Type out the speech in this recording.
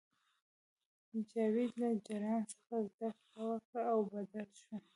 جاوید له جلان څخه زده کړه وکړه او بدل شو